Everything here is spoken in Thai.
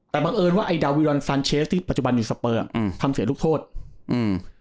แต่บังเอิญว่าไอดาวิรอนซานเชสที่ปัจจุบันมีสเปอร์อืมทำเสียลูกโทษอืม